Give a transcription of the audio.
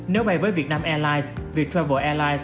nếu bay với vietnam airlines viettravel airlines